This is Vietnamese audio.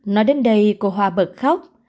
nói đến đây cô hoa bật khóc